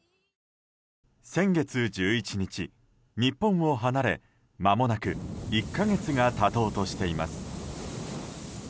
先月１１日、日本を離れまもなく１か月が経とうとしています。